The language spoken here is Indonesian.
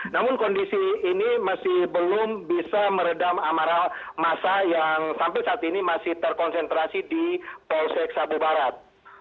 namun kondisi ini masih belum bisa meredam amarah masa yang sampai saat ini masih terkonsentrasi di polsek sabu barat